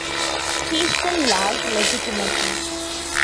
He still lacked legitimacy.